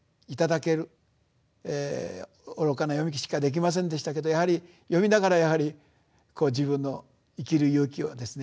愚かな読みしかできませんでしたけど読みながらやはり自分の生きる勇気をですね